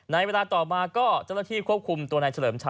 ในเวลาต่อมาก็เจ้าหน้าที่ควบคุมตัวนายเฉลิมชัย